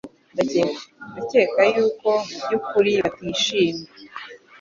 Ndakeka yuko mubyukuri batishimye